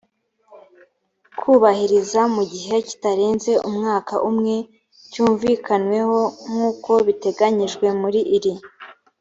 kubahiriza mu gihe kitarenze umwaka umwe cyumvikanweho nk uko biteganyijwe muri iri